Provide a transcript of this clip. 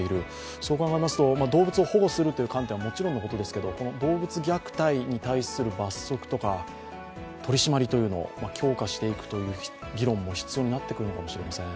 そう考えますと動物を保護するという観点はもちろんですけれども動物虐待に対する罰則とか取り締まりというのを強化していくという議論も必要になってくるのかもしれません。